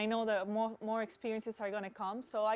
ini adalah negara kedua saya saya akan melawat banyak lagi